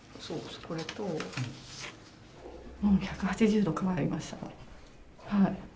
もう１８０度変わりましたね。